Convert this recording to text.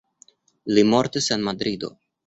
Li mortis en Madrido.